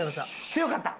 強かった？